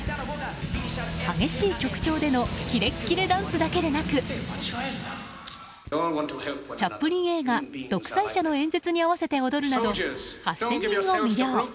激しい曲調でのキレッキレダンスだけでなくチャップリン映画「独裁者」の演説に合わせて踊るなど、８０００人を魅了。